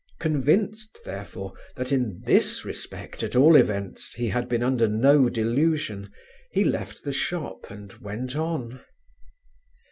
Convinced, therefore, that in this respect at all events he had been under no delusion, he left the shop and went on.